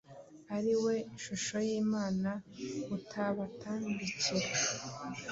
ari we shusho y’Imana utabatambikira.